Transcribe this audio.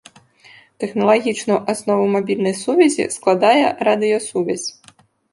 Тэхналагічную аснову мабільнай сувязі складае радыёсувязь.